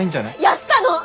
やったの！